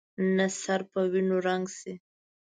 نه سر په وینو رنګ شي.